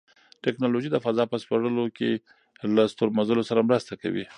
تکنالوژي د فضا په سپړلو کې له ستورمزلو سره مرسته کوي.